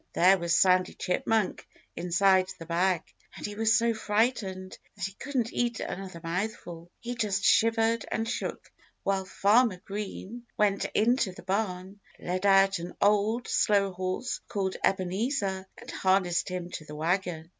There was Sandy Chipmunk, inside the bag. And he was so frightened that he couldn't eat another mouthful. He just shivered and shook, while Farmer Green went into the barn, led out an old, slow horse called Ebenezer, and harnessed him to the wagon.